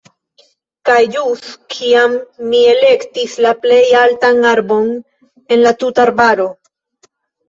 Kaj ĵus kiam mi elektis la plej altan arbon en la tuta arbaro.